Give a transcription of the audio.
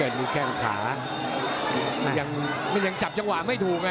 นี่แข้งขามันยังจับจังหว่างไม่ถูกนะ